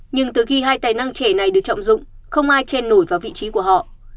nhưng từ khi hai tài năng trẻ này được trọng dụng không ai che nổi vào vị trí của họ